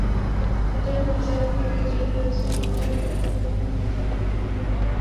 এটার চারপাশজুড়ে রয়েছে বলয় অবকাঠামো, যাকে আমরা গ্রহ বলে মনে করছি।